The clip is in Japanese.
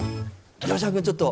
「城島君ちょっと」。